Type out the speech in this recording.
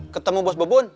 ketemu bos bebun